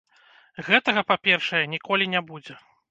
Гэтага, па-першае, ніколі не будзе.